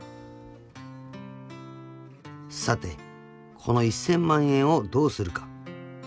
［さてこの１，０００万円をどうするか］